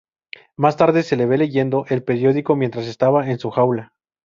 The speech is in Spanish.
Más tarde, se le ve leyendo el periódico mientras estaba en su jaula.